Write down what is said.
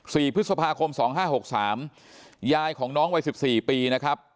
สี่พฤษภาคมสองห้าหกสามยายของน้องวัยสิบสี่ปีนะครับ